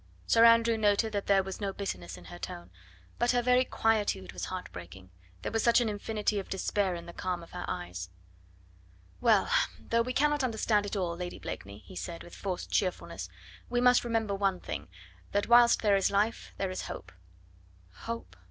Sir Andrew noted that there was no bitterness in her tone. But her very quietude was heart breaking; there was such an infinity of despair in the calm of her eyes. "Well! though we cannot understand it all, Lady Blakeney," he said with forced cheerfulness, "we must remember one thing that whilst there is life there is hope." "Hope!"